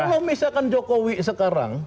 kalau misalkan jokowi sekarang